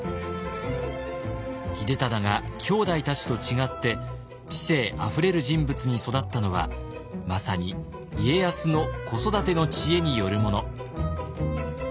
秀忠がきょうだいたちと違って知性あふれる人物に育ったのはまさに家康の子育ての知恵によるもの。